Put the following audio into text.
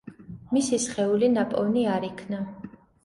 მისი სხეული ნაპოვნი არ იქნა.